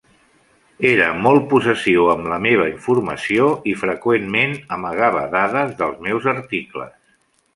Era molt possessiu amb la meva informació i, freqüentment, amagava dades dels meus articles.